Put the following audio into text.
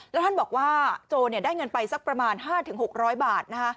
แล้วท่านบอกว่าโจรได้เงินไปสักประมาณ๕๖๐๐บาท